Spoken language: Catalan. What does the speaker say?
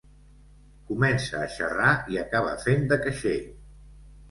Comença a xerrar i acaba fent de caixer.